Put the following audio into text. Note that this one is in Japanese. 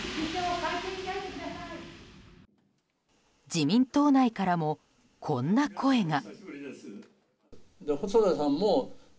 自民党内からもこんな声が。